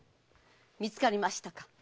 見つかりましたか？